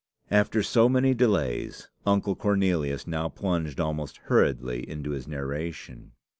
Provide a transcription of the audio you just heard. After so many delays, Uncle Cornelius now plunged almost hurriedly into his narration.